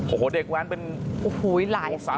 โอ้โหเด็กแว้นเป็น๓๐๔๐คัน